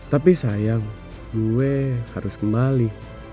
tapi sayang gue harus kembali